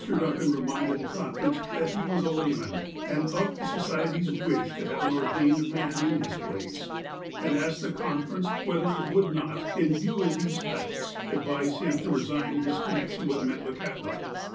Duncan reminded the conference that he was a layman, and of the Society's wish to have an ordained man in his place, and asked the conference whether it would not, in view of these facts, advise him to resign j his connection with Metlakahtla.